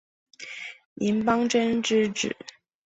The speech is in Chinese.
林邦桢之子。